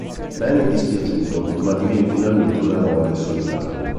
Ben è dispiaciuto ma diviene finalmente un eroe solitario.